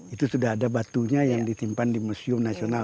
itu sudah ada batunya yang ditimpan di museum nasional